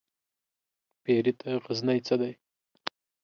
پيري ته غزنى څه دى ؟